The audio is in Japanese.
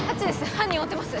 犯人追ってます